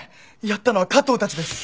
やったのは加藤たちです。